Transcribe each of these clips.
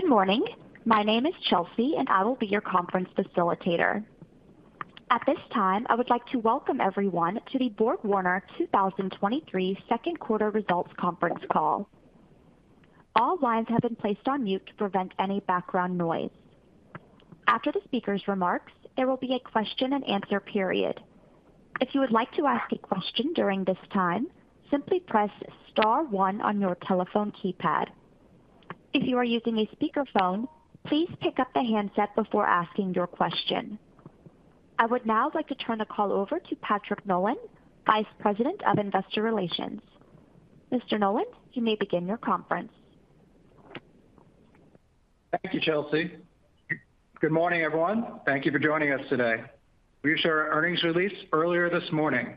Good morning. My name is Chelsea, and I will be your conference facilitator. At this time, I would like to welcome everyone to the BorgWarner 2023 second quarter results conference call. All lines have been placed on mute to prevent any background noise. After the speaker's remarks, there will be a question-and-answer period. If you would like to ask a question during this time, simply press star one on your telephone keypad. If you are using a speakerphone, please pick up the handset before asking your question. I would now like to turn the call over to Patrick Nolan, Vice President of Investor Relations. Mr. Nolan, you may begin your conference. Thank you, Chelsea. Good morning, everyone. Thank you for joining us today. We issued our earnings release earlier this morning.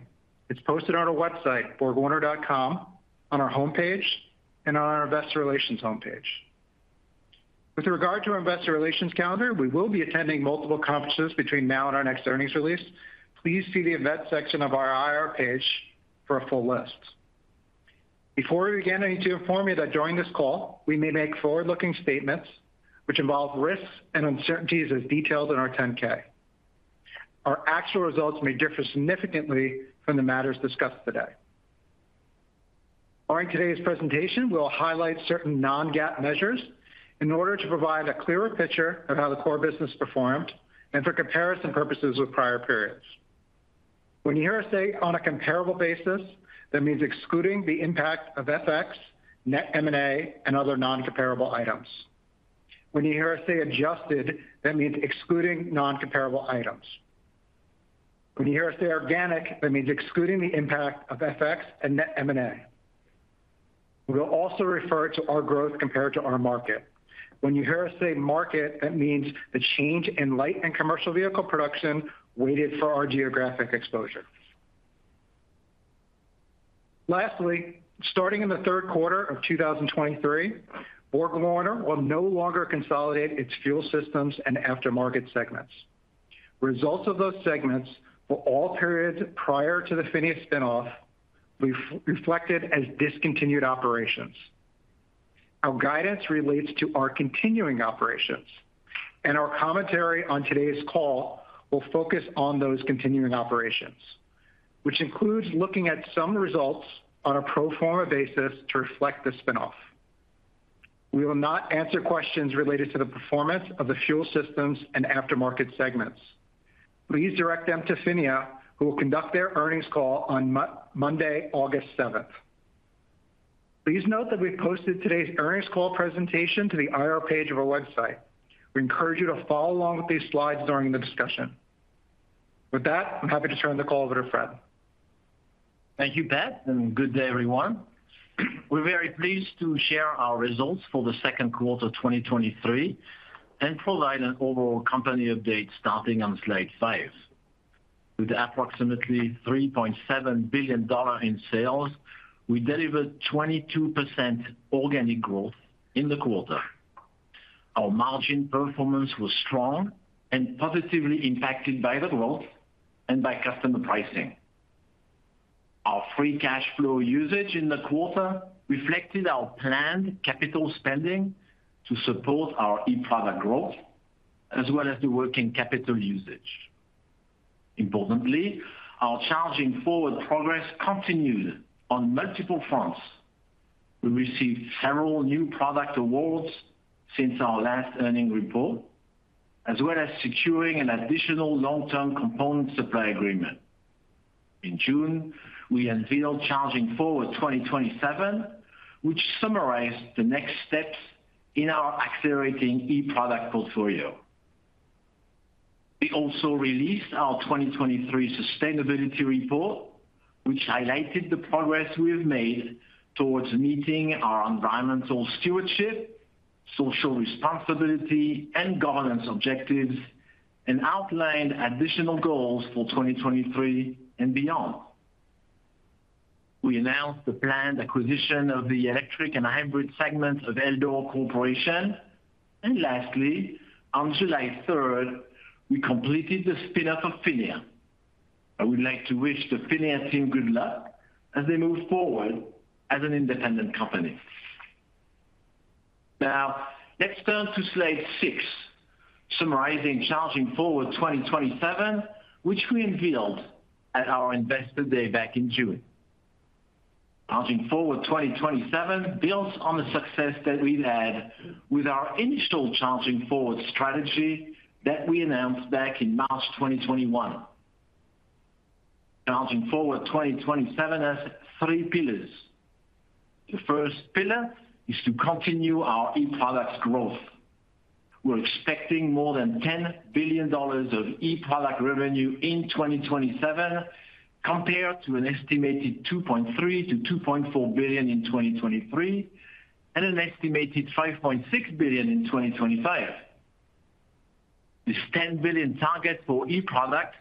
It's posted on our website, borgwarner.com, on our homepage and on our Investor Relations homepage. With regard to our investor relations calendar, we will be attending multiple conferences between now and our next earnings release. Please see the Events section of our IR page for a full list. Before we begin, I need to inform you that during this call, we may make forward-looking statements which involve risks and uncertainties as detailed in our 10-K. Our actual results may differ significantly from the matters discussed today. During today's presentation, we'll highlight certain non-GAAP measures in order to provide a clearer picture of how the core business performed and for comparison purposes with prior periods. When you hear us say, "On a comparable basis," that means excluding the impact of FX, net M&A, and other non-comparable items. When you hear us say, "Adjusted," that means excluding non-comparable items. When you hear us say, "Organic," that means excluding the impact of FX and net M&A. We will also refer to our growth compared to our market. When you hear us say, "Market," that means the change in light and commercial vehicle production weighted for our geographic exposure. Lastly, starting in the third quarter of 2023, BorgWarner will no longer consolidate its Fuel Systems and Aftermarket segments. Results of those segments for all periods prior to the PHINIA spin-off will be reflected as discontinued operations. Our guidance relates to our continuing operations, and our commentary on today's call will focus on those continuing operations, which includes looking at some results on a pro forma basis to reflect the spin-off. We will not answer questions related to the performance of the fuel systems and aftermarket segments. Please direct them to PHINIA, who will conduct their earnings call on Monday, August 7th. Please note that we've posted today's earnings call presentation to the IR page of our website. We encourage you to follow along with these slides during the discussion. With that, I'm happy to turn the call over to Fréd. Thank you, Pat, and good day, everyone. We're very pleased to share our results for the second quarter of 2023 and provide an overall company update, starting on slide five. With approximately $3.7 billion in sales, we delivered 22% organic growth in the quarter. Our margin performance was strong and positively impacted by the growth and by customer pricing. Our free cash flow usage in the quarter reflected our planned capital spending to support our eProduct growth, as well as the working capital usage. Importantly, our Charging Forward progress continued on multiple fronts. We received several new product awards since our last earnings report, as well as securing an additional long-term component supply agreement. In June, we unveiled Charging Forward 2027, which summarized the next steps in our accelerating eProduct portfolio. We also released our 2023 sustainability report, which highlighted the progress we have made towards meeting our environmental stewardship, social responsibility, and governance objectives, and outlined additional goals for 2023 and beyond. We announced the planned acquisition of the electric and hybrid segments of Eldor Corporation. Lastly, on July 3rd, we completed the spin-off of PHINIA. I would like to wish the PHINIA team good luck as they move forward as an independent company. Now, let's turn to slide six, summarizing Charging Forward 2027, which we unveiled at our Investor Day back in June. Charging Forward 2027 builds on the success that we've had with our initial Charging Forward strategy that we announced back in March 2021. Charging Forward 2027 has three pillars. The first pillar is to continue our eProducts growth. We're expecting more than $10 billion of eProduct revenue in 2027, compared to an estimated $2.3 billion-$2.4 billion in 2023, and an estimated $5.6 billion in 2025. This $10 billion target for eProduct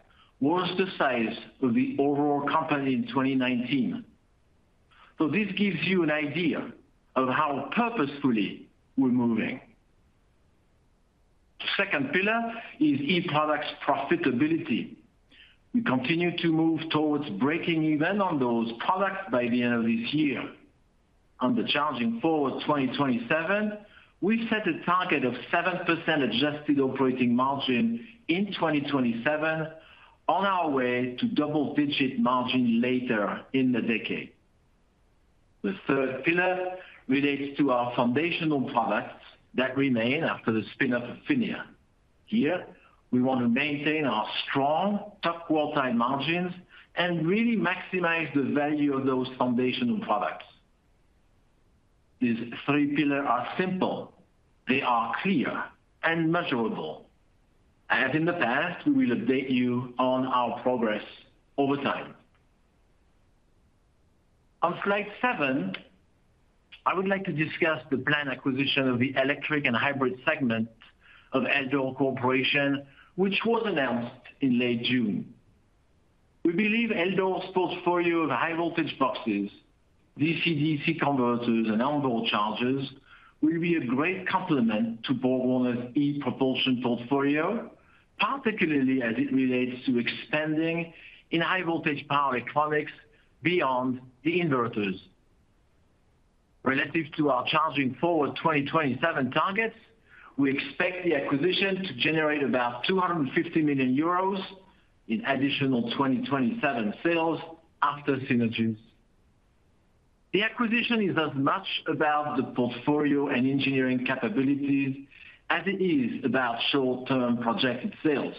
was the size of the overall company in 2019. This gives you an idea of how purposefully we're moving. Second pillar is eProducts profitability. We continue to move towards breaking even on those products by the end of this year. On the Charging Forward 2027, we've set a target of 7% adjusted operating margin in 2027, on our way to double-digit margin later in the decade. The third pillar relates to our foundational products that remain after the spin-off of PHINIA. Here, we want to maintain our strong, top-quartile margins and really maximize the value of those foundational products. These three pillars are simple, they are clear and measurable. As in the past, we will update you on our progress over time. On slide 7, I would like to discuss the planned acquisition of the electric and hybrid segment of Eldor Corporation, which was announced in late June. We believe Eldor's portfolio of high voltage boxes, DC-DC converters, and onboard chargers will be a great complement to BorgWarner's e-Propulsion portfolio, particularly as it relates to expanding in high voltage power electronics beyond the inverters. Relative to our Charging Forward 2027 targets, we expect the acquisition to generate about 250 million euros in additional 2027 sales after synergies. The acquisition is as much about the portfolio and engineering capabilities as it is about short-term projected sales.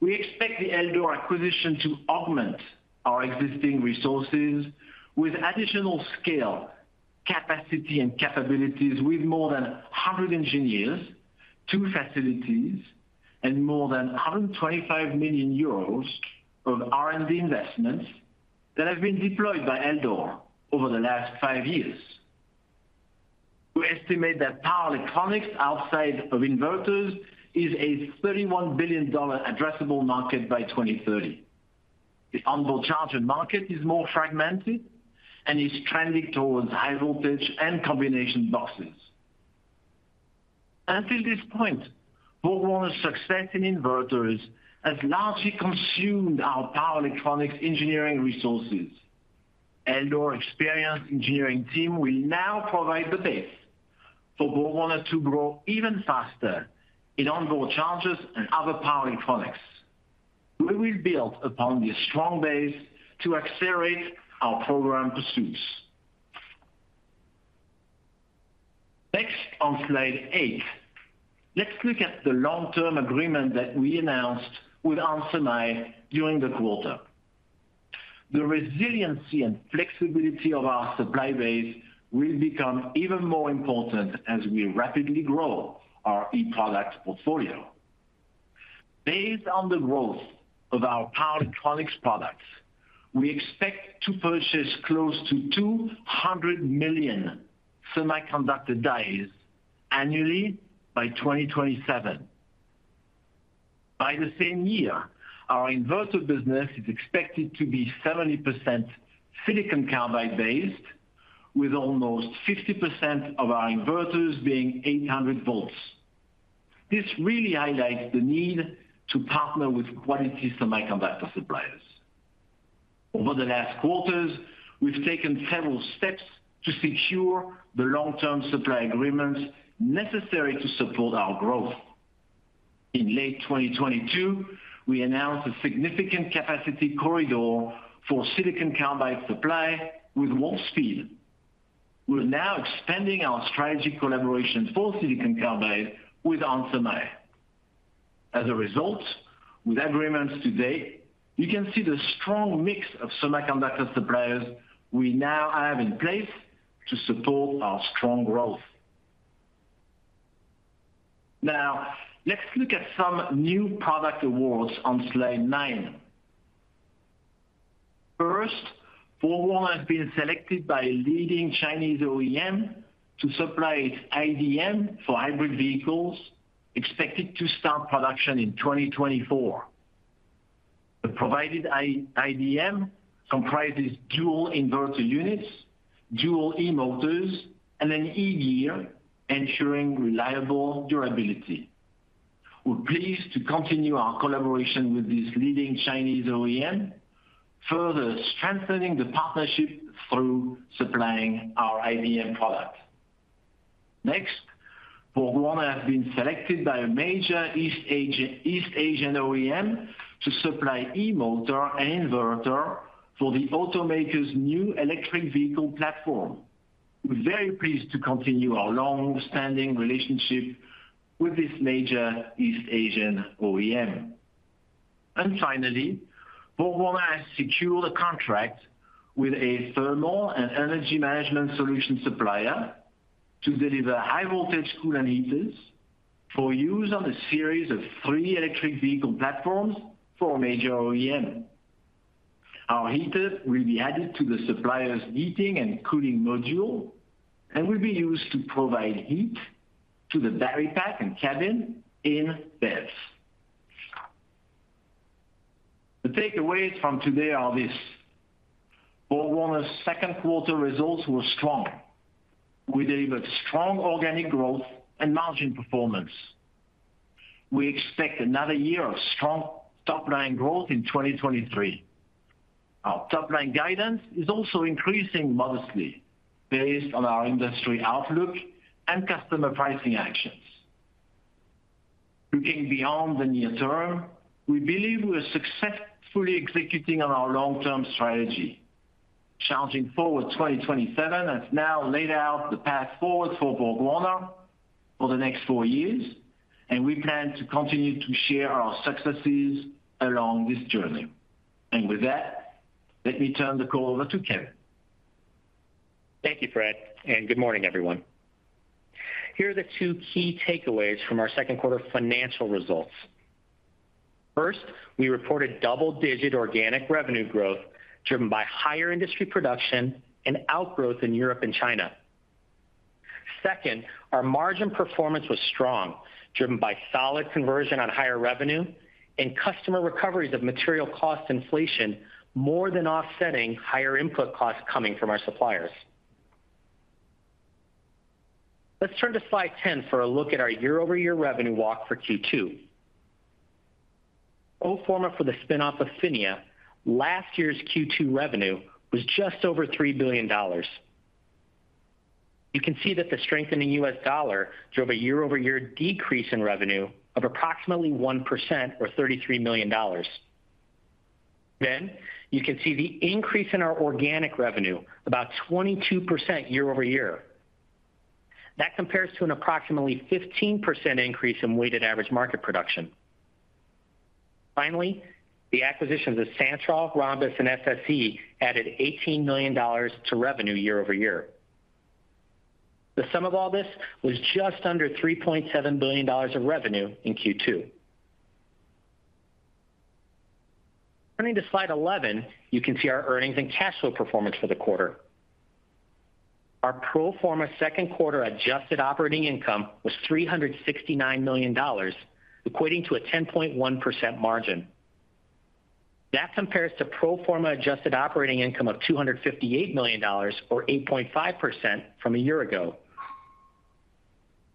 We expect the Eldor acquisition to augment our existing resources with additional scale, capacity, and capabilities, with more than 100 engineers, two facilities, and more than 125 million euros of R&D investments that have been deployed by Eldor over the last five years. We estimate that power electronics outside of inverters is a $31 billion addressable market by 2030. The onboard charger market is more fragmented and is trending towards high voltage and combination boxes. Until this point, BorgWarner's success in inverters has largely consumed our power electronics engineering resources. Eldor experienced engineering team will now provide the base for BorgWarner to grow even faster in onboard chargers and other power electronics. We will build upon this strong base to accelerate our program pursuits. Next, on slide eight, let's look at the long-term agreement that we announced with On Semiconductor during the quarter. The resiliency and flexibility of our supply base will become even more important as we rapidly grow our eProduct portfolio. Based on the growth of our power electronics products, we expect to purchase close to 200 million semiconductor dies annually by 2027. By the same year, our inverter business is expected to be 70% silicon carbide-based, with almost 50% of our inverters being 800 V. This really highlights the need to partner with quality semiconductor suppliers. Over the last quarters, we've taken several steps to secure the long-term supply agreements necessary to support our growth. In late 2022, we announced a significant capacity corridor for silicon carbide supply with Wolfspeed. We're now expanding our strategic collaboration for silicon carbide with onsemi. As a result, with agreements to date, you can see the strong mix of semiconductor suppliers we now have in place to support our strong growth. Let's look at some new product awards on slide nine. First, BorgWarner has been selected by a leading Chinese OEM to supply its IDM for hybrid vehicles, expected to start production in 2024. The provided IDM comprises dual inverter units, dual eMotors, and an eGear, ensuring reliable durability. We're pleased to continue our collaboration with this leading Chinese OEM, further strengthening the partnership through supplying our IDM product. BorgWarner has been selected by a major East Asian OEM to supply eMotor and inverter for the automaker's new electric vehicle platform. We're very pleased to continue our long-standing relationship with this major East Asian OEM. Finally, BorgWarner has secured a contract with a thermal and energy management solution supplier to deliver High-Voltage Coolant Heaters for use on a series of three electric vehicle platforms for a major OEM. Our heater will be added to the supplier's heating and cooling module, and will be used to provide heat to the battery pack and cabin in BEVs. The takeaways from today are this: BorgWarner's second quarter results were strong. We delivered strong organic growth and margin performance. We expect another year of strong top-line growth in 2023. Our top-line guidance is also increasing modestly based on our industry outlook and customer pricing actions. Looking beyond the near term, we believe we are successfully executing on our long-term strategy. Charging Forward 2027 has now laid out the path forward for BorgWarner for the next four years, and we plan to continue to share our successes along this journey. With that, let me turn the call over to Kevin. Thank you, Fréd, and good morning, everyone. Here are the two key takeaways from our second quarter financial results. First, we reported double-digit organic revenue growth, driven by higher industry production and outgrowth in Europe and China. Second, our margin performance was strong, driven by solid conversion on higher revenue and customer recoveries of material cost inflation, more than offsetting higher input costs coming from our suppliers. Let's turn to slide 10 for a look at our year-over-year revenue walk for Q2. Pro forma for the spin-off of PHINIA, last year's Q2 revenue was just over $3 billion. You can see that the strengthening U.S. dollar drove a year-over-year decrease in revenue of approximately 1% or $33 million. You can see the increase in our organic revenue about 22% year-over-year. That compares to an approximately 15% increase in weighted average market production. Finally, the acquisitions of Santroll, Rhombus, and SSE added $18 million to revenue year-over-year. The sum of all this was just under $3.7 billion of revenue in Q2. Turning to slide 11, you can see our earnings and cash flow performance for the quarter. Our pro forma second quarter adjusted operating income was $369 million, equating to a 10.1% margin. That compares to pro forma adjusted operating income of $258 million or 8.5% from a year ago.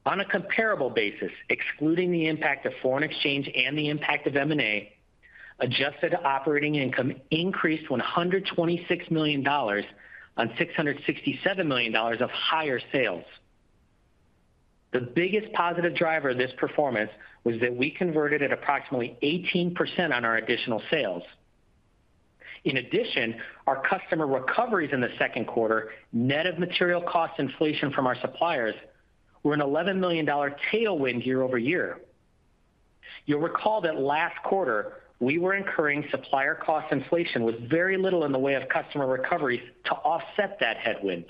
On a comparable basis, excluding the impact of foreign exchange and the impact of M&A, adjusted operating income increased $126 million on $667 million of higher sales. The biggest positive driver of this performance was that we converted at approximately 18% on our additional sales. In addition, our customer recoveries in the second quarter, net of material cost inflation from our suppliers, were an $11 million tailwind year-over-year. You'll recall that last quarter, we were incurring supplier cost inflation with very little in the way of customer recoveries to offset that headwind.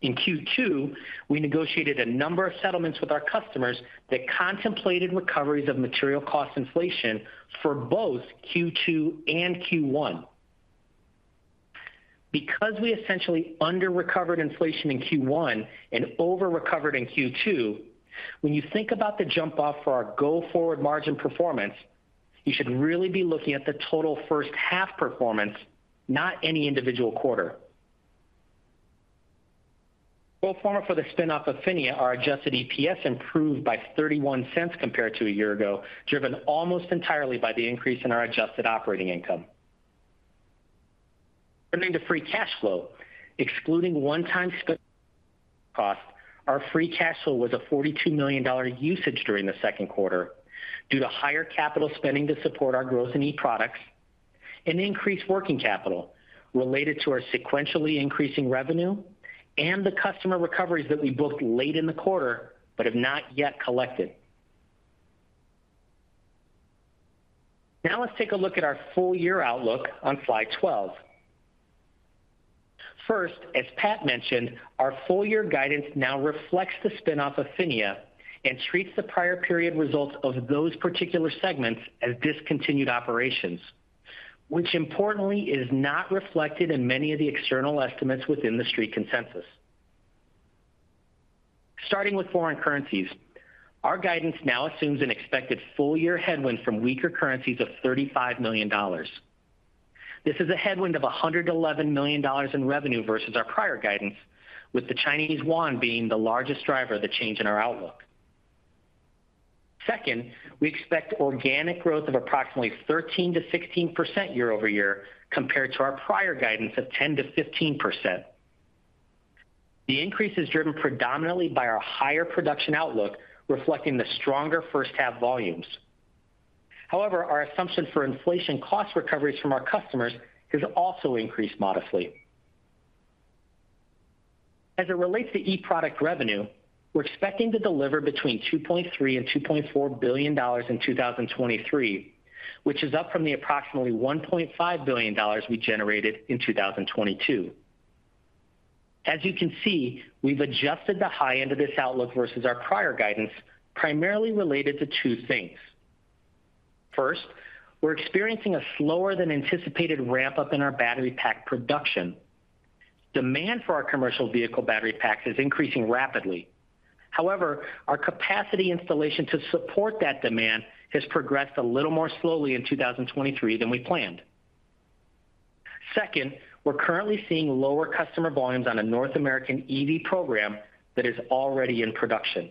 In Q2, we negotiated a number of settlements with our customers that contemplated recoveries of material cost inflation for both Q2 and Q1. Because we essentially underrecovered inflation in Q1 and overrecovered in Q2, when you think about the jump-off for our go-forward margin performance, you should really be looking at the total first half performance, not any individual quarter. Pro forma for the spin-off of PHINIA, our adjusted EPS improved by $0.31 compared to a year ago, driven almost entirely by the increase in our adjusted operating income. Turning to free cash flow, excluding one-time cost, our free cash flow was a $42 million usage during the second quarter due to higher capital spending to support our growth in eProducts and increased working capital related to our sequentially increasing revenue and the customer recoveries that we booked late in the quarter but have not yet collected. Let's take a look at our full-year outlook on slide 12. First, as Pat mentioned, our full year guidance now reflects the spin-off of PHINIA and treats the prior period results of those particular segments as discontinued operations, which importantly is not reflected in many of the external estimates within the Street consensus. Starting with foreign currencies, our guidance now assumes an expected full-year headwind from weaker currencies of $35 million. This is a headwind of $111 million in revenue versus our prior guidance, with the Chinese yuan being the largest driver of the change in our outlook. Second, we expect organic growth of approximately 13%-16% year-over-year, compared to our prior guidance of 10%-15%. The increase is driven predominantly by our higher production outlook, reflecting the stronger first half volumes. However, our assumption for inflation cost recoveries from our customers has also increased modestly. As it relates to eProduct revenue, we're expecting to deliver between $2.3 billion and $2.4 billion in 2023, which is up from the approximately $1.5 billion we generated in 2022. As you can see, we've adjusted the high end of this outlook versus our prior guidance, primarily related to two things. First, we're experiencing a slower than anticipated ramp-up in our battery pack production. Demand for our commercial vehicle battery packs is increasing rapidly. However, our capacity installation to support that demand has progressed a little more slowly in 2023 than we planned. Second, we're currently seeing lower customer volumes on a North American EV program that is already in production.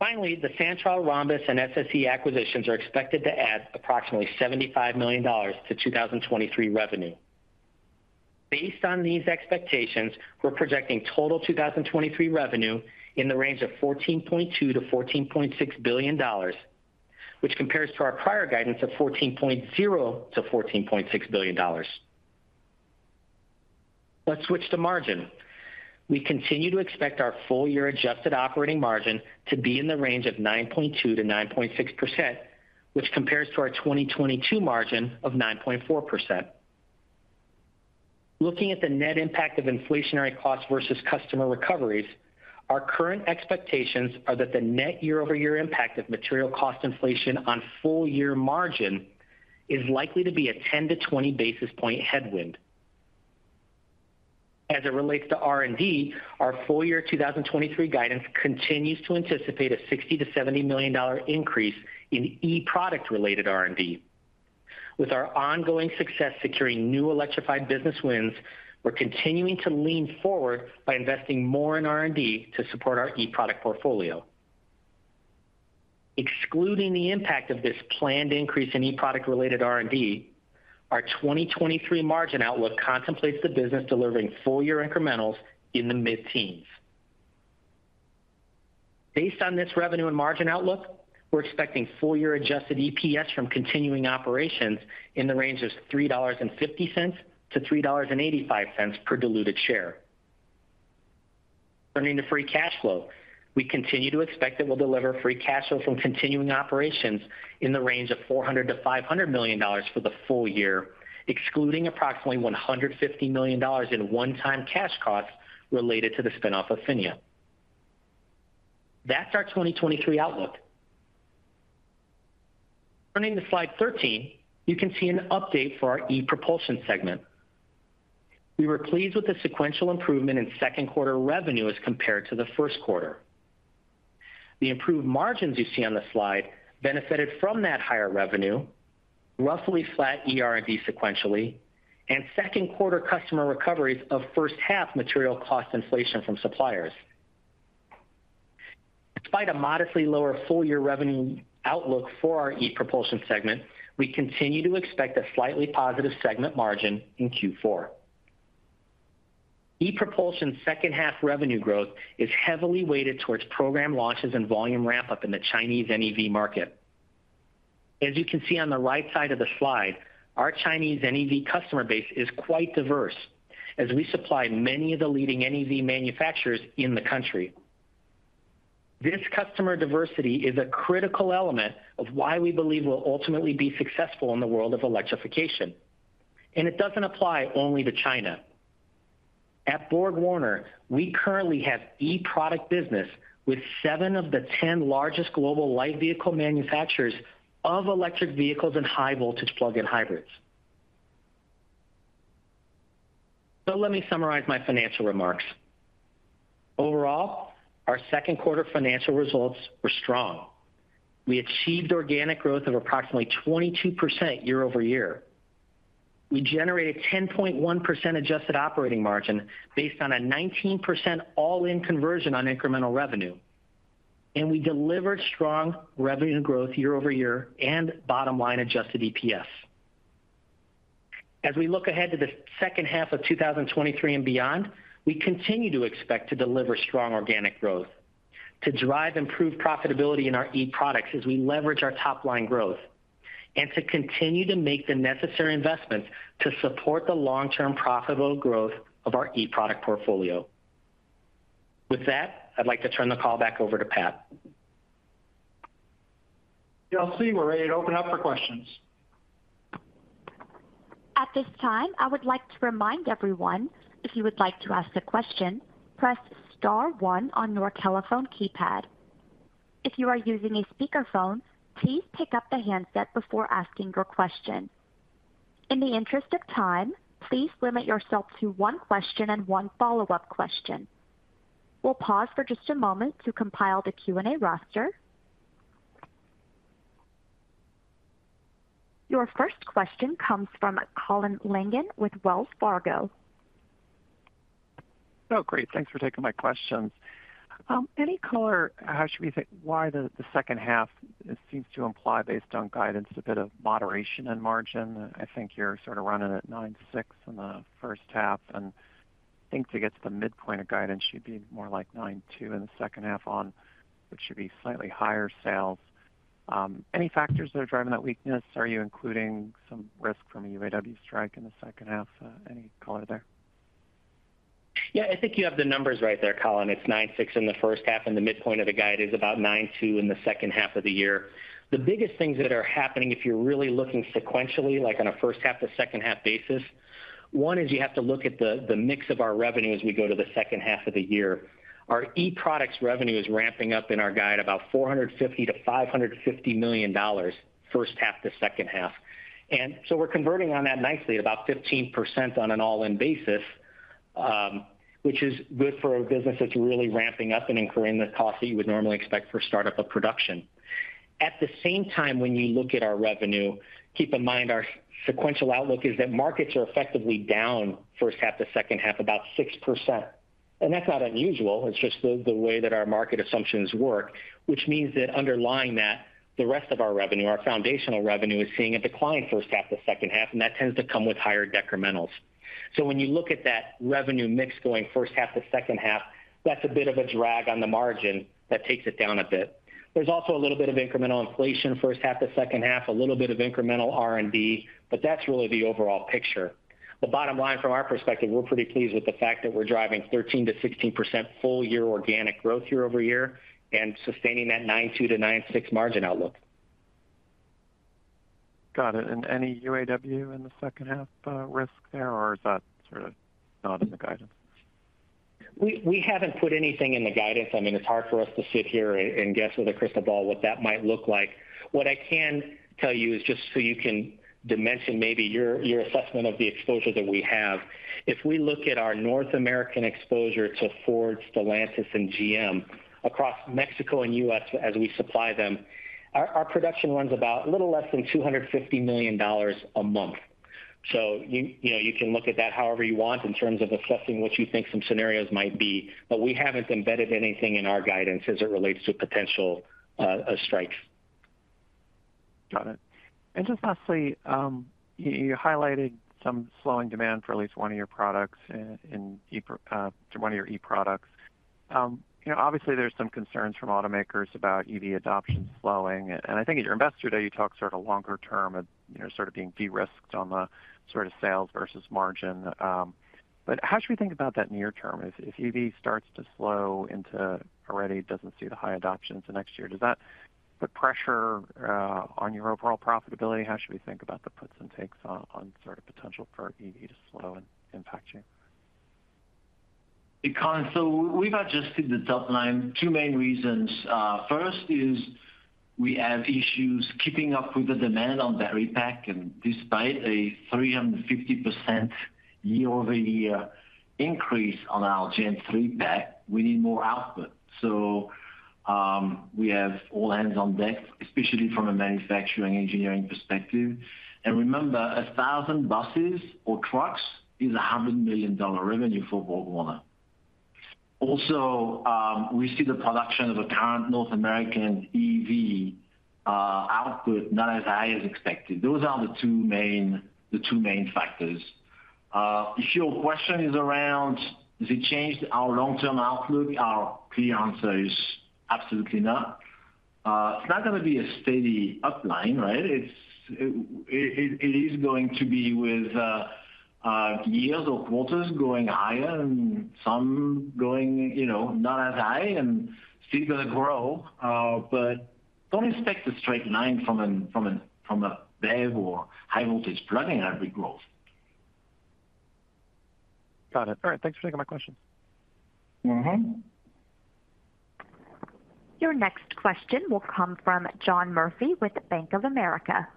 The Santroll, Rhombus, and SSE acquisitions are expected to add approximately $75 million to 2023 revenue. Based on these expectations, we're projecting total 2023 revenue in the range of $14.2 billion-$14.6 billion, which compares to our prior guidance of $14.0 billion-$14.6 billion. Let's switch to margin. We continue to expect our full year adjusted operating margin to be in the range of 9.2%-9.6%, which compares to our 2022 margin of 9.4%. Looking at the net impact of inflationary costs versus customer recoveries, our current expectations are that the net year-over-year impact of material cost inflation on full year margin is likely to be a 10-20 basis point headwind. As it relates to R&D, our full year 2023 guidance continues to anticipate a $60 million-$70 million increase in eProduct related R&D. With our ongoing success securing new electrified business wins, we're continuing to lean forward by investing more in R&D to support our eProduct portfolio. Excluding the impact of this planned increase in eProduct related R&D, our 2023 margin outlook contemplates the business delivering full year incrementals in the mid-teens. Based on this revenue and margin outlook, we're expecting full year adjusted EPS from continuing operations in the range of $3.50-$3.85 per diluted share. Turning to free cash flow, we continue to expect that we'll deliver free cash flow from continuing operations in the range of $400 million-$500 million for the full year, excluding approximately $150 million in one-time cash costs related to the spin-off of PHINIA. That's our 2023 outlook. Turning to Slide 13, you can see an update for our e-Propulsion segment. We were pleased with the sequential improvement in second quarter revenue as compared to the first quarter. The improved margins you see on the slide benefited from that higher revenue, roughly flat eR&D sequentially, and second quarter customer recoveries of first half material cost inflation from suppliers. Despite a modestly lower full year revenue outlook for our e-Propulsion segment, we continue to expect a slightly positive segment margin in Q4. e-Propulsion's second half revenue growth is heavily weighted towards program launches and volume ramp-up in the Chinese NEV market. As you can see on the right side of the slide, our Chinese NEV customer base is quite diverse as we supply many of the leading NEV manufacturers in the country. This customer diversity is a critical element of why we believe we'll ultimately be successful in the world of electrification, and it doesn't apply only to China. At BorgWarner, we currently have eProduct business with seven of the 10 largest global light vehicle manufacturers of electric vehicles and high voltage plug-in hybrids. Let me summarize my financial remarks. Overall, our second quarter financial results were strong. We achieved organic growth of approximately 22% year-over-year. We generated 10.1% adjusted operating margin based on a 19% all-in conversion on incremental revenue, and we delivered strong revenue growth year-over-year and bottom line adjusted EPS. As we look ahead to the second half of 2023 and beyond, we continue to expect to deliver strong organic growth, to drive improved profitability in our eProducts as we leverage our top line growth, and to continue to make the necessary investments to support the long-term profitable growth of our eProduct portfolio. With that, I'd like to turn the call back over to Pat. Chelsea, we're ready to open up for questions. At this time, I would like to remind everyone, if you would like to ask a question, press star one on your telephone keypad. If you are using a speakerphone, please pick up the handset before asking your question. In the interest of time, please limit yourself to one question and one follow-up question. We'll pause for just a moment to compile the Q&A roster. Your first question comes from Colin Langan with Wells Fargo. Oh, great! Thanks for taking my questions. Any color, how should we think? Why the, the second half seems to imply, based on guidance, a bit of moderation in margin? I think you're sort of running at 9.6% in the first half, and I think to get to the midpoint of guidance should be more like 9.2% in the second half on, which should be slightly higher sales. Any factors that are driving that weakness? Are you including some risk from a UAW strike in the second half? Any color there? Yeah, I think you have the numbers right there, Colin. It's 9.6% in the first half, and the midpoint of the guide is about 9.2% in the second half of the year. The biggest things that are happening, if you're really looking sequentially, like on a first half to second half basis, one is you have to look at the mix of our revenue as we go to the second half of the year. Our eProducts revenue is ramping up in our guide, about $450 million-$550 million, first half to second half. We're converting on that nicely, about 15% on an all-in basis, which is good for a business that's really ramping up and incurring the cost that you would normally expect for startup of production. At the same time, when you look at our revenue, keep in mind our sequential outlook is that markets are effectively down first half to second half, about 6%. That's not unusual, it's just the, the way that our market assumptions work, which means that underlying that, the rest of our revenue, our foundational revenue, is seeing a decline first half to second half, and that tends to come with higher decrementals. When you look at that revenue mix going first half to second half, that's a bit of a drag on the margin that takes it down a bit. There's also a little bit of incremental inflation first half to second half, a little bit of incremental R&D, but that's really the overall picture. The bottom line from our perspective, we're pretty pleased with the fact that we're driving 13%-16% full year organic growth year-over-year, and sustaining that 9.2%-9.6% margin outlook. Got it. Any UAW in the second half risk there, or is that sort of not in the guidance? We, we haven't put anything in the guidance. I mean, it's hard for us to sit here and, and guess with a crystal ball what that might look like. What I can tell you is just so you can dimension maybe your, your assessment of the exposure that we have. If we look at our North American exposure to Ford, Stellantis, and GM across Mexico and U.S. as we supply them, our, our production runs about a little less than $250 million a month. So you, you know, you can look at that however you want in terms of assessing what you think some scenarios might be, but we haven't embedded anything in our guidance as it relates to potential strikes. Got it. Just lastly, you, you highlighted some slowing demand for at least one of your products to one of your eProducts. You know, obviously there's some concerns from automakers about EV adoption slowing. I think at your Investor Day, you talked sort of longer term of, you know, sort of being de-risked on the sort of sales versus margin. How should we think about that near term? If EV starts to slow already doesn't see the high adoption to next year, does that put pressure on your overall profitability? How should we think about the puts and takes on sort of potential for EV to slow and impact you? We've adjusted the top line, two main reasons. First is we have issues keeping up with the demand on battery pack, despite a 350% year-over-year increase on our gen three pack, we need more output. We have all hands on deck, especially from a manufacturing engineering perspective. Remember, 1,000 buses or trucks is $100 million revenue for BorgWarner. Also, we see the production of a current North American EV output, not as high as expected. Those are the two main factors. If your question is around, does it change our long-term outlook? Our clear answer is absolutely not. It's not gonna be a steady upline, right? It is going to be with years or quarters going higher and some going, you know, not as high and still gonna grow. Don't expect a straight line from a BEV or high voltage plugin every growth. Got it. All right, thanks for taking my questions. Your next question will come from John Murphy with Bank of America.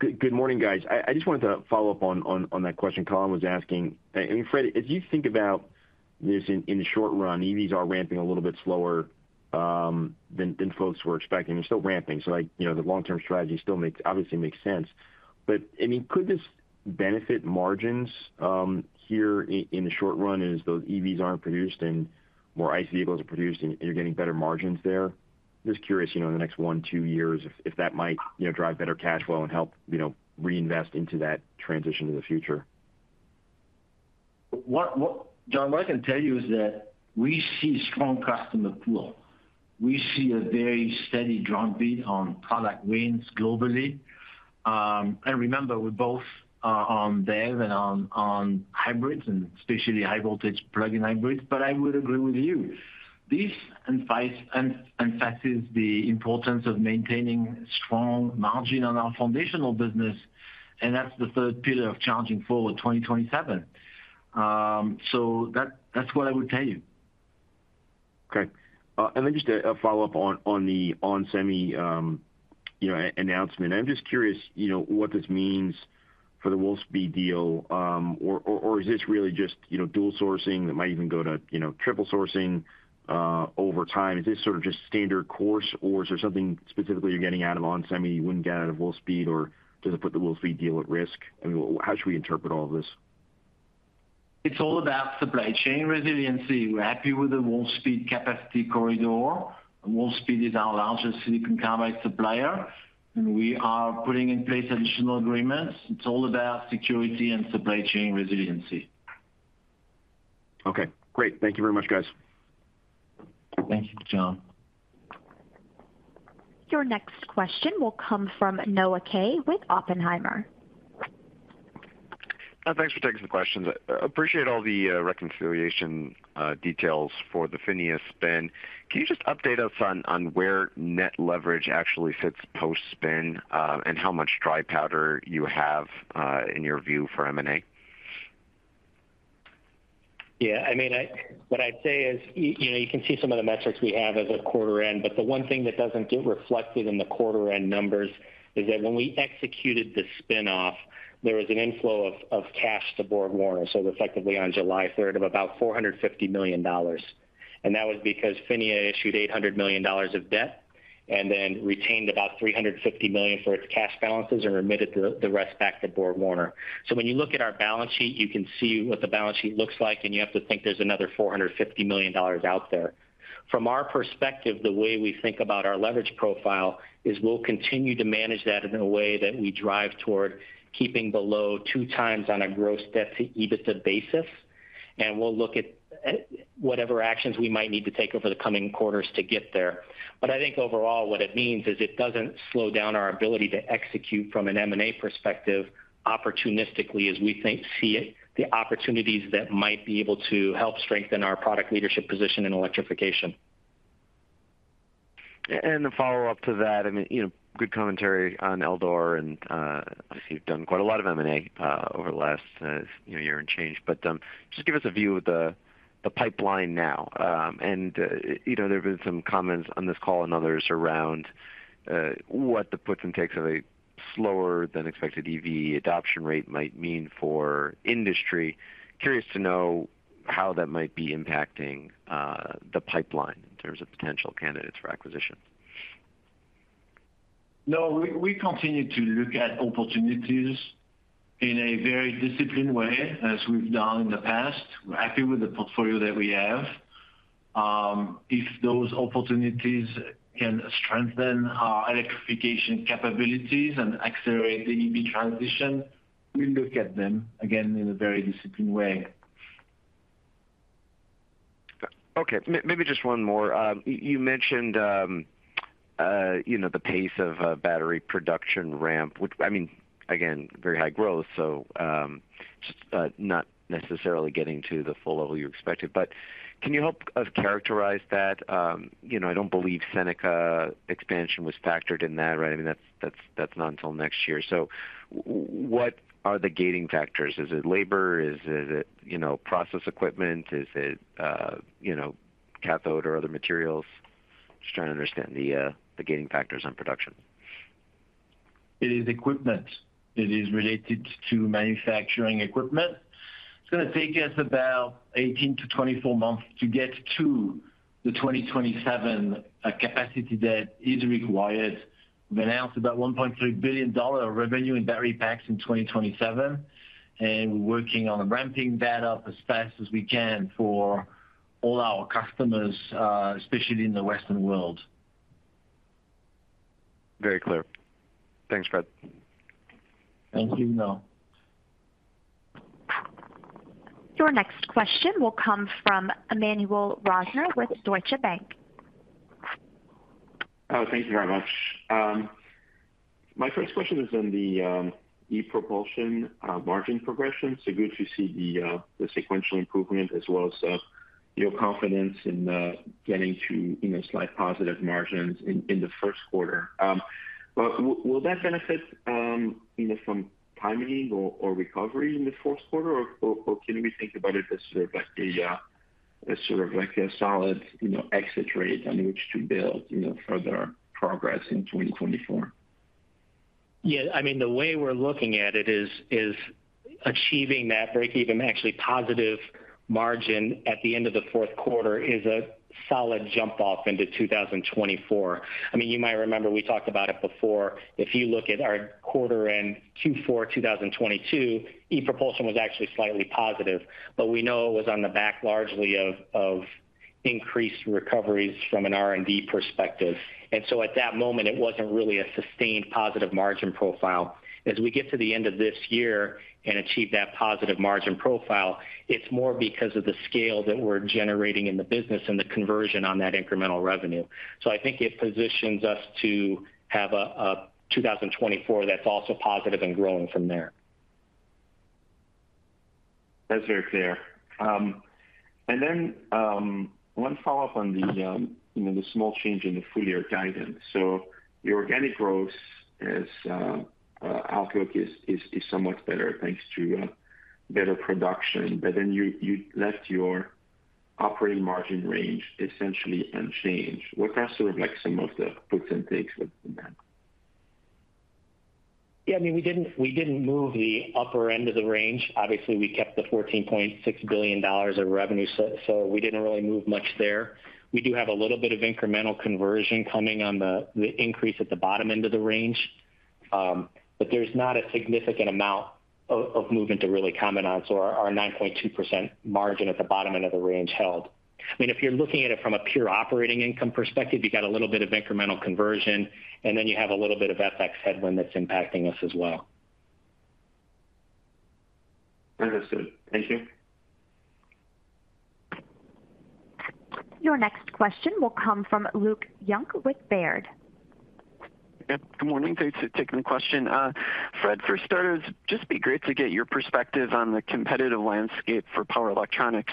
Good, good morning, guys. I, I just wanted to follow up on, on, on that question Colin was asking. I mean Fréddie, as you think about this in, in the short run, EVs are ramping a little bit slower than, than folks were expecting. They're still ramping, so, like, you know, the long-term strategy still makes, obviously makes sense. I mean, could this benefit margins here in the short run as those EVs aren't produced and more ICE vehicles are produced, and, and you're getting better margins there? Just curious, you know, in the next one, two years, if, if that might, you know, drive better cash flow and help, you know, reinvest into that transition to the future. John, what I can tell you is that we see strong customer flow. We see a very steady drumbeat on product wins globally. Remember, we're both on BEV and on hybrids, and especially high voltage plug-in hybrids, but I would agree with you. This emphasizes the importance of maintaining strong margin on our foundational business, and that's the third pillar of Charging Forward 2027. That's what I would tell you. Okay. Then just a, a follow-up on, on the onsemi, you know, announcement. I'm just curious, you know, what this means for the Wolfspeed deal, or is this really just, you know, dual sourcing that might even go to, you know, triple sourcing over time? Is this sort of just standard course, or is there something specifically you're getting out of onsemi you wouldn't get out of Wolfspeed, or does it put the Wolfspeed deal at risk? I mean, how should we interpret all of this? It's all about supply chain resiliency. We're happy with the Wolfspeed capacity corridor. Wolfspeed is our largest silicon carbide supplier, and we are putting in place additional agreements. It's all about security and supply chain resiliency. Okay, great. Thank you very much, guys. Thank you, John. Your next question will come from Noah Kaye with Oppenheimer. Thanks for taking the questions. Appreciate all the reconciliation, details for the PHINIA spin. Can you just update us on where net leverage actually sits post-spin, and how much dry powder you have in your view for M&A? Yeah, I mean, I, what I'd say is, you, you know, you can see some of the metrics we have as a quarter end, but the one thing that doesn't get reflected in the quarter end numbers is that when we executed the spin-off, there was an inflow of, of cash to BorgWarner. Effectively on July 3rd of about $450 million. That was because PHINIA issued $800 million of debt, and then retained about $350 million for its cash balances and remitted the, the rest back to BorgWarner. When you look at our balance sheet, you can see what the balance sheet looks like, and you have to think there's another $450 million out there. From our perspective, the way we think about our leverage profile is we'll continue to manage that in a way that we drive toward keeping below 2x on a gross debt-to-EBITDA basis, and we'll look at whatever actions we might need to take over the coming quarters to get there. I think overall, what it means is it doesn't slow down our ability to execute from an M&A perspective, opportunistically, as we see it, the opportunities that might be able to help strengthen our product leadership position in electrification. A follow-up to that, I mean, you know, good commentary on Eldor and obviously you've done quite a lot of M&A over the last, you know, year and change. Just give us a view of the pipeline now. You know, there have been some comments on this call and others around what the puts and takes of a slower than expected EV adoption rate might mean for industry. Curious to know how that might be impacting the pipeline in terms of potential candidates for acquisition. No, we, we continue to look at opportunities in a very disciplined way, as we've done in the past. We're happy with the portfolio that we have. If those opportunities can strengthen our electrification capabilities and accelerate the EV transition, we look at them, again, in a very disciplined way. Okay, maybe just one more. You, you mentioned, you know, the pace of battery production ramp, which I mean, again, very high growth, so, just not necessarily getting to the full level you expected. Can you help us characterize that? You know, I don't believe Seneca expansion was factored in that, right? I mean, that's, that's, that's not until next year. What are the gating factors? Is it labor? Is it, you know, process equipment? Is it, you know, cathode or other materials? Just trying to understand the gating factors on production. It is equipment. It is related to manufacturing equipment. It's gonna take us about 18-24 months to get to the 2027 capacity that is required. We've announced about $1.3 billion revenue in battery packs in 2027, we're working on ramping that up as fast as we can for all our customers, especially in the Western world. Very clear. Thanks, Fréd. Thank you, Noah. Your next question will come from Emmanuel Rosner with Deutsche Bank. Oh, thank you very much. My first question is on the e-Propulsion margin progression. Good to see the sequential improvement as well as your confidence in getting to, you know, slight positive margins in the 1st quarter. Will that benefit, you know, from timing or recovery in the fourth quarter, or can we think about it as sort of like a solid, you know, exit rate on which to build, you know, further progress in 2024? Yeah, I mean, the way we're looking at it is, is achieving that breakeven, actually positive margin at the end of the fourth quarter is a solid jump-off into 2024. I mean, you might remember, we talked about it before. If you look at our quarter end Q4, 2022, e-Propulsion was actually slightly positive, but we know it was on the back largely of, of increased recoveries from an R&D perspective. At that moment, it wasn't really a sustained positive margin profile. As we get to the end of this year and achieve that positive margin profile, it's more because of the scale that we're generating in the business and the conversion on that incremental revenue. I think it positions us to have a, a 2024 that's also positive and growing from there. That's very clear. One follow-up on the, you know, the small change in the full-year guidance. The organic growth as outlook is, is, is somewhat better, thanks to, better production, but then you, you left your operating margin range essentially unchanged. What are sort of like some of the puts and takes with that? Yeah, I mean, we didn't, we didn't move the upper end of the range. Obviously, we kept the $14.6 billion of revenue, so we didn't really move much there. We do have a little bit of incremental conversion coming on the increase at the bottom end of the range, but there's not a significant amount of movement to really comment on. Our 9.2% margin at the bottom end of the range held. I mean, if you're looking at it from a pure operating income perspective, you got a little bit of incremental conversion, and then you have a little bit of FX headwind that's impacting us as well. Understood. Thank you. Your next question will come from Luke Junk with Baird. Yep. Good morning. Thanks for taking the question. Fréd, for starters, just be great to get your perspective on the competitive landscape for power electronics.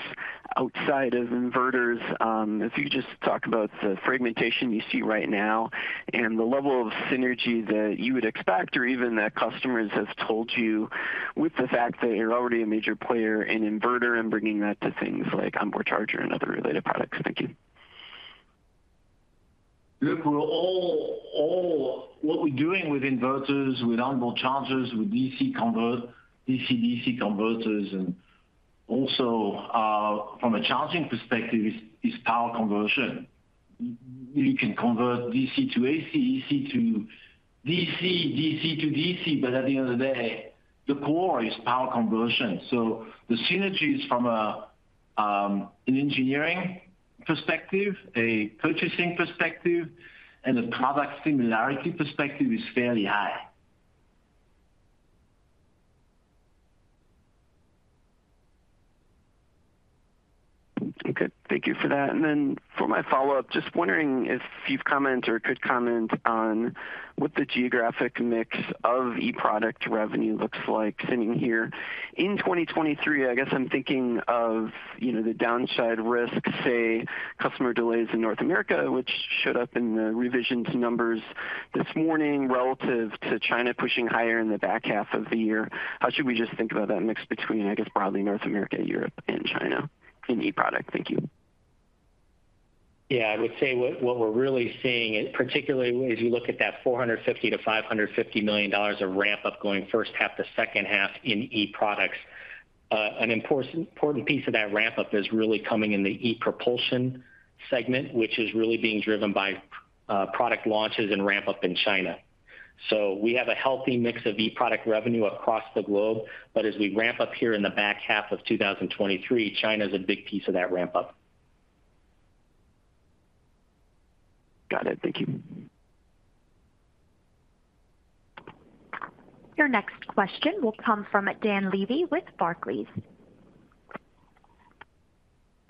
Outside of inverters, if you could just talk about the fragmentation you see right now and the level of synergy that you would expect, or even that customers have told you, with the fact that you're already a major player in inverter and bringing that to things like onboard charger and other related products. Thank you. Look, we're all, what we're doing with inverters, with onboard chargers, with DC-DC converters, and also, from a charging perspective, is power conversion. You can convert DC to AC, AC to DC, DC to DC. At the end of the day, the core is power conversion. The synergies from a, an engineering perspective, a purchasing perspective, and a product similarity perspective is fairly high. Okay, thank you for that. For my follow-up, just wondering if you've commented or could comment on what the geographic mix of eProduct revenue looks like sitting here in 2023. I guess I'm thinking of, you know, the downside risk, say, customer delays in North America, which showed up in the revision to numbers this morning, relative to China pushing higher in the back half of the year. How should we just think about that mix between, I guess, broadly, North America, Europe, and China in eProduct? Thank you. Yeah, I would say what, what we're really seeing, and particularly as you look at that $450 million-$550 million of ramp-up going first half to second half in eProducts, an important piece of that ramp-up is really coming in the e-Propulsion segment, which is really being driven by product launches and ramp-up in China. We have a healthy mix of eProduct revenue across the globe, but as we ramp up here in the back half of 2023, China's a big piece of that ramp-up. Got it. Thank you. Your next question will come from Dan Levy with Barclays.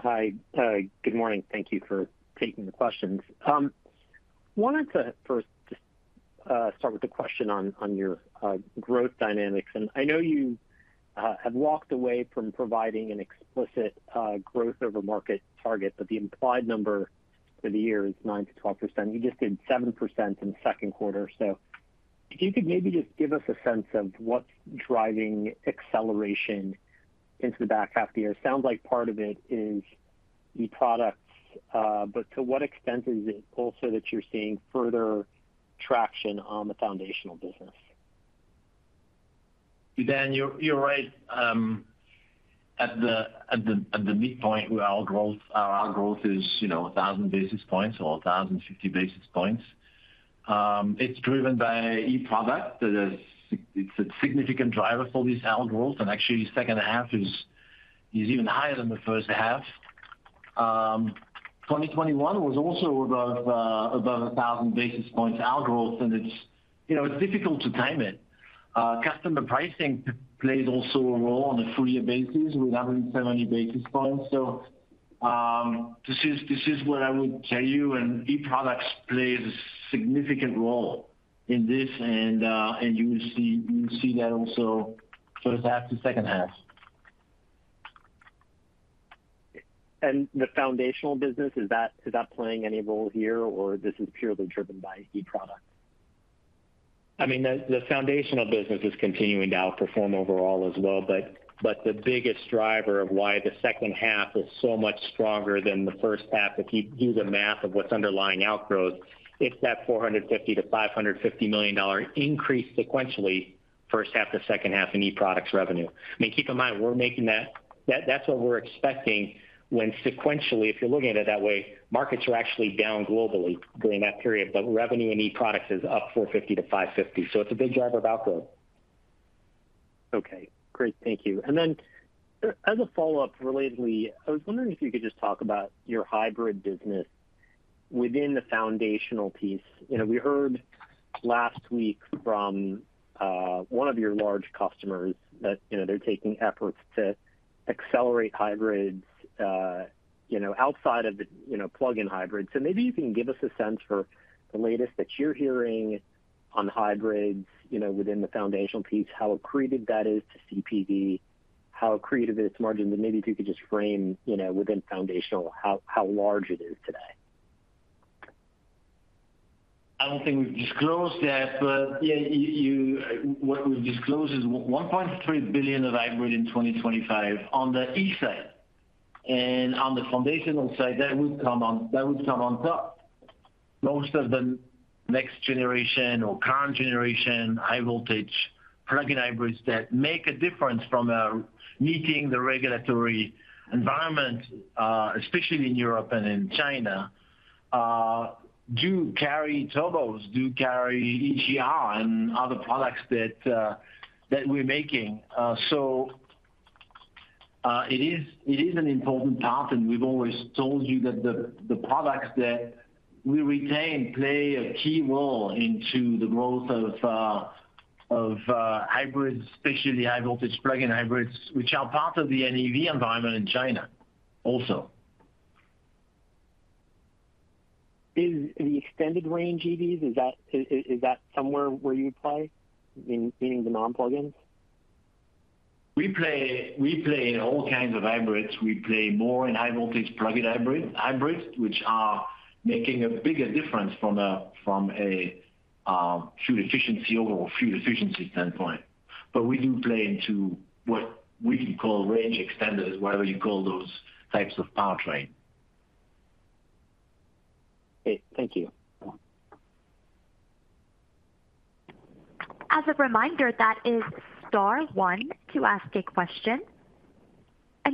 Hi, good morning. Thank you for taking the questions. Wanted to first start with a question on your growth dynamics. I know you have walked away from providing an explicit growth over market target, but the implied number for the year is 9%-12%. You just did 7% in the second quarter. If you could maybe just give us a sense of what's driving acceleration into the back half of the year. It sounds like part of it is eProducts, but to what extent is it also that you're seeing further traction on the foundational business? Dan, you're, you're right. At the midpoint where our growth, our, our growth is, you know, 1,000 basis points or 1,050 basis points. It's driven by eProduct. That is, it's a significant driver for this outgrowth, and actually, second half is, is even higher than the first half. 2021 was also above, above 1,000 basis points outgrowth, and it's, you know, it's difficult to time it. Customer pricing plays also a role on a full year basis, with 170 basis points. This is, this is what I would tell you, and eProducts plays a significant role in this, and, and you will see you will see that also first half to second half. The foundational business, is that playing any role here, or this is purely driven by eProduct? I mean, the foundational business is continuing to outperform overall as well, but the biggest driver of why the second half is so much stronger than the first half, if you do the math of what's underlying outgrowth, it's that $450 million-$550 million increase sequentially, first half to second half in eProducts revenue. I mean, keep in mind, we're making that, that's what we're expecting when sequentially, if you're looking at it that way, markets are actually down globally during that period. Revenue in eProducts is up $450 million-$550 million, so it's a big driver of outgrowth. Okay, great. Thank you. Then as a follow-up, relatedly, I was wondering if you could just talk about your hybrid business within the foundational piece. You know, we heard last week from one of your large customers that, you know, they're taking efforts to accelerate hybrids, you know, outside of the, you know, plug-in hybrids. Maybe you can give us a sense for the latest that you're hearing on hybrids, you know, within the foundational piece, how accretive that is to CPD, how accretive it is to margin, and maybe if you could just frame, you know, within foundational, how, how large it is today? I don't think we've disclosed that, but yeah, you. What we've disclosed is $1.3 billion of hybrid in 2025 on the E side. On the foundational side, that would come on, that would come on top. Most of the next generation or current generation high-voltage plug-in hybrids that make a difference from meeting the regulatory environment, especially in Europe and in China, do carry turbos, do carry EGR and other products that we're making. It is an important part, and we've always told you that the products that we retain play a key role into the growth of hybrids, especially the high-voltage plug-in hybrids, which are part of the NEV environment in China also. Is the extended range EVs, is that, is that somewhere where you play, in the non-plugins? We play, we play all kinds of hybrids. We play more in high voltage plug-in hybrid, hybrids, which are making a bigger difference from a, from a, fuel efficiency or fuel efficiency standpoint. We do play into what we call range extenders, whatever you call those types of powertrain. Great. Thank you. As a reminder, that is star one to ask a question.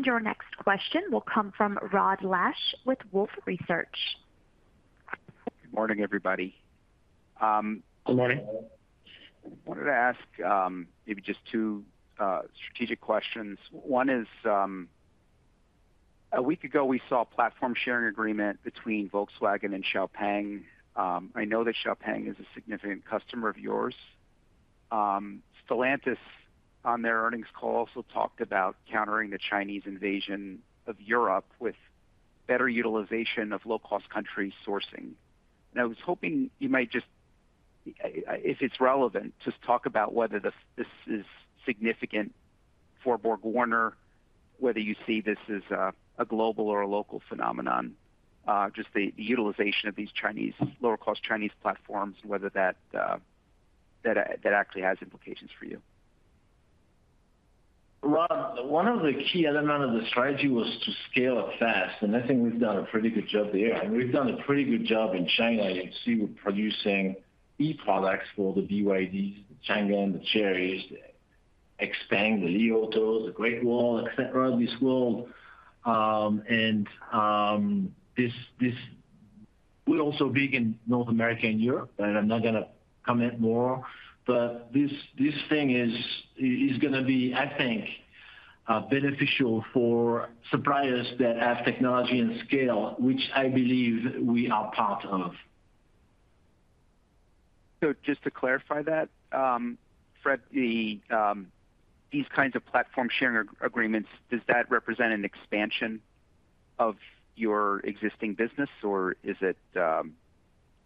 Your next question will come from Rod Lache with Wolfe Research. Good morning, everybody. Good morning. I wanted to ask, maybe just two strategic questions. One is, a week ago, we saw a platform sharing agreement between Volkswagen and XPENG. I know that XPENG is a significant customer of yours. Stellantis, on their earnings call, also talked about countering the Chinese invasion of Europe with better utilization of low-cost country sourcing. I was hoping you might just, if it's relevant, just talk about whether this, this is significant for BorgWarner, whether you see this as a global or a local phenomenon, just the, the utilization of these Chinese- lower-cost Chinese platforms, whether that, that actually has implications for you. Rod, one of the key element of the strategy was to scale up fast, and I think we've done a pretty good job there, and we've done a pretty good job in China. You can see we're producing eProducts for the BYD, the Changan, the Chery, XPENG, the Li Auto, the Great Wall, et cetera, this world. We're also big in North America and Europe, and I'm not gonna comment more, but this, this thing is, is gonna be, I think, beneficial for suppliers that have technology and scale, which I believe we are part of. Just to clarify that, Fréd, the these kinds of platform sharing agreements, does that represent an expansion of your existing business, or is it,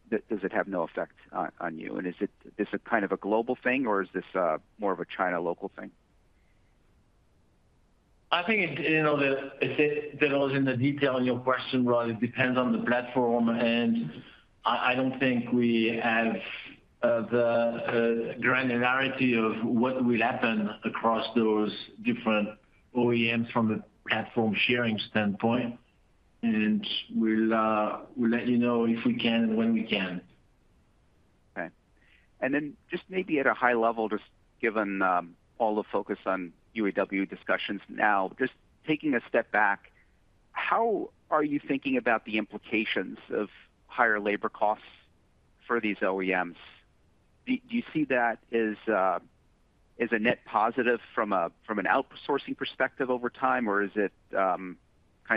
does it have no effect on, on you? Is this a kind of a global thing, or is this more of a China local thing? I think it, you know, it's the details in the detail in your question, Rod. It depends on the platform, and I, I don't think we have the granularity of what will happen across those different OEMs from a platform sharing standpoint. We'll let you know if we can, and when we can. Okay. Then just maybe at a high level, just given all the focus on UAW discussions now, just taking a step back, how are you thinking about the implications of higher labor costs for these OEMs? Do, do you see that as a net positive from an outsourcing perspective over time, or is it kind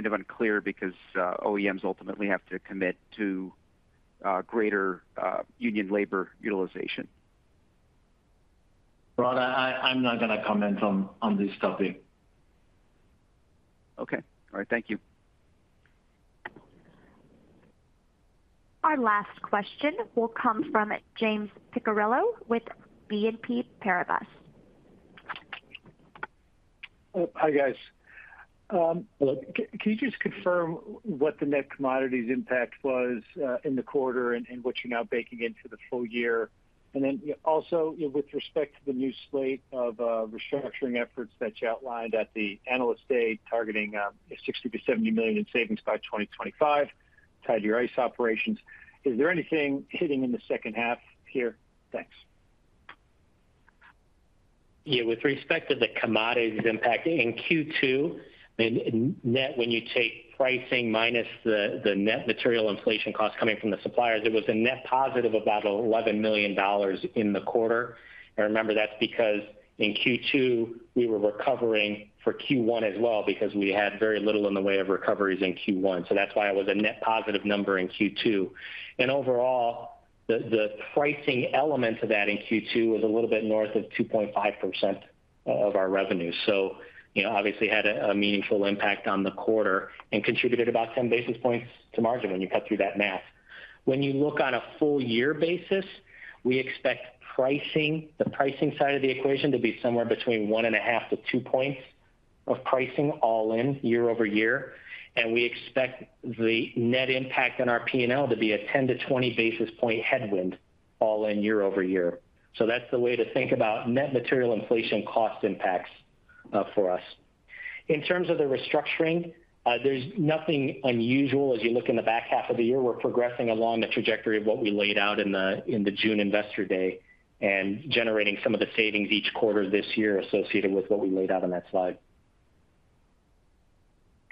of unclear because OEMs ultimately have to commit to greater union labor utilization? Rod, I'm not gonna comment on, on this topic. Okay. All right, thank you. Our last question will come from James Picariello with BNP Paribas. Hi, guys. Hello. Can you just confirm what the net commodities impact was in the quarter and what you're now baking into the full year? Then, also, with respect to the new slate of restructuring efforts that you outlined at the Analyst Day, targeting $60 million-$70 million in savings by 2025, tied to your ICE operations, is there anything hitting in the second half here? Thanks. Yeah, with respect to the commodities impact, in Q2, in, net, when you take pricing minus the, the net material inflation costs coming from the suppliers, it was a net positive of about $11 million in the quarter. Remember, that's because in Q2, we were recovering for Q1 as well, because we had very little in the way of recoveries in Q1, so that's why it was a net positive number in Q2. Overall, the, the pricing element of that in Q2 was a little bit north of 2.5% of our revenue, so you know, obviously had a, a meaningful impact on the quarter and contributed about 10 basis points to margin when you cut through that math. When you look on a full year basis, we expect pricing, the pricing side of the equation, to be somewhere between 1.5-2 points of pricing all in year-over-year, and we expect the net impact on our P&L to be a 10-20 basis point headwind all in year-over-year. That's the way to think about net material inflation cost impacts, for us. In terms of the restructuring, there's nothing unusual as you look in the back half of the year. We're progressing along the trajectory of what we laid out in the, in the June Investor Day and generating some of the savings each quarter this year associated with what we laid out on that slide.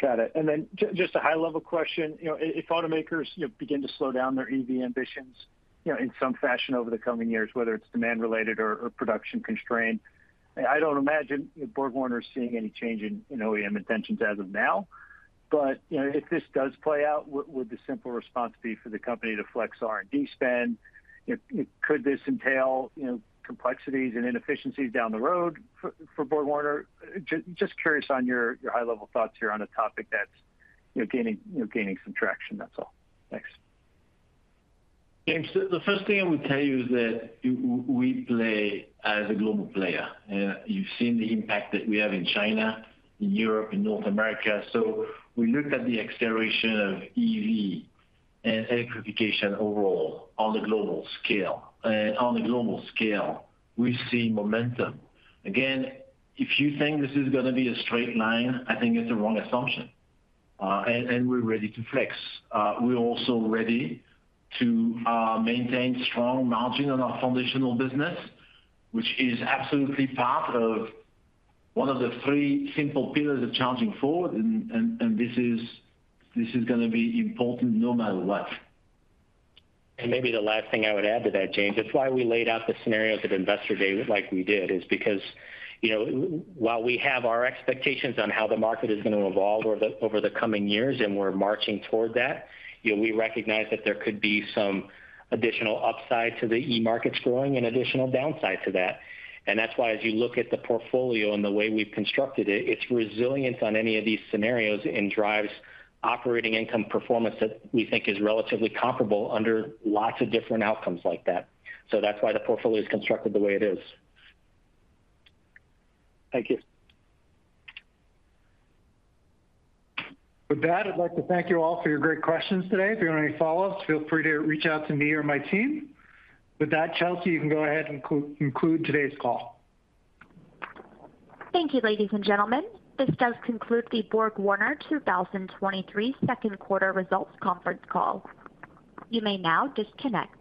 Got it. Then just a high-level question. You know, if automakers, you know, begin to slow down their EV ambitions, you know, in some fashion over the coming years, whether it's demand related or, or production constrained, I don't imagine BorgWarner is seeing any change in, in OEM intentions as of now. If this does play out, what would the simple response be for the company to flex R&D spend? It Could this entail, you know, complexities and inefficiencies down the road for, for BorgWarner? Just curious on your, your high-level thoughts here on a topic that's, you know, gaining, you know, gaining some traction. That's all. Thanks. James, the first thing I would tell you is that we play as a global player. You've seen the impact that we have in China, in Europe, in North America. We look at the acceleration of EV and electrification overall on the global scale. On the global scale, we've seen momentum. If you think this is gonna be a straight line, I think it's the wrong assumption. We're ready to flex. We're also ready to maintain strong margin on our foundational business, which is absolutely part of one of the three simple pillars of Charging Forward, and this is gonna be important no matter what. Maybe the last thing I would add to that, James, it's why we laid out the scenarios at Investor Day like we did, is because, you know, while we have our expectations on how the market is gonna evolve over the, over the coming years, and we're marching toward that, you know, we recognize that there could be some additional upside to the E markets growing and additional downside to that. That's why as you look at the portfolio and the way we've constructed it, it's resilient on any of these scenarios and drives operating income performance that we think is relatively comparable under lots of different outcomes like that. That's why the portfolio is constructed the way it is. Thank you. With that, I'd like to thank you all for your great questions today. If you have any follow-ups, feel free to reach out to me or my team. With that, Chelsea, you can go ahead and conclude today's call. Thank you, ladies and gentlemen. This does conclude the BorgWarner 2023 second quarter results conference call. You may now disconnect.